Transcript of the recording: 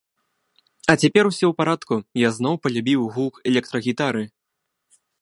А цяпер усё ў парадку, я зноў палюбіў гук электрагітары.